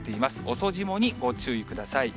遅霜にご注意ください。